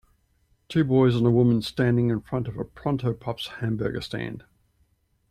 Two boys and a woman standing in front of a Pronto Pups Hamburger stand.